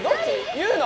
言うの？